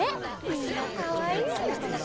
みんなかわいい！